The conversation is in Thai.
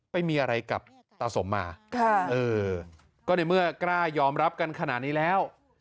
ไปมีอะไรกับตาสมมาค่ะเออก็ในเมื่อกล้ายอมรับกันขนาดนี้แล้ว